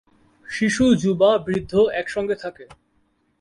শিশু-যুবা-বৃদ্ধ একসঙ্গে থাকে।